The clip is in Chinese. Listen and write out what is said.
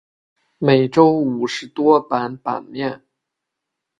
每周五十多版版面。